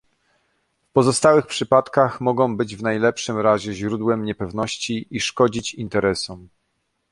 W pozostałych przypadkach mogą być w najlepszym razie źródłem niepewności i szkodzić interesom